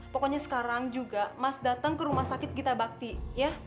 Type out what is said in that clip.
pokoknya sekarang juga mas datang ke rumah sakit gita bakti ya